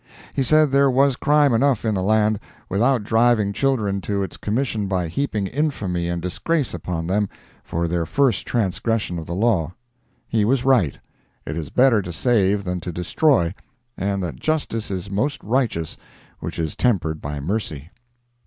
He said there was crime enough in the land, without driving children to its commission by heaping infamy and disgrace upon them for their first transgression of the law. He was right: it is better to save than to destroy, and that justice is most righteous which is tempered by mercy.